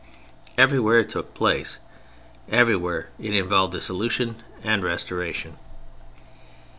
Everywhere it took place; everywhere it involved dissolution and restoration.